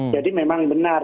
jadi memang benar